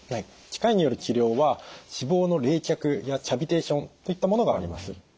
機械による治療は脂肪の冷却やキャビテーションといったものがあります。